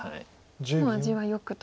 もう味はよくと。